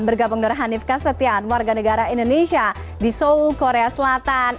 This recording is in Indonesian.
bergabung nur hanif kasetian warga negara indonesia di seoul korea selatan